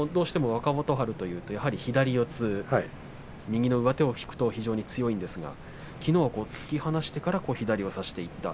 若元春というと左四つ、右の上手を引くと強いんですけどもきのうは突き放してからの左を差していった。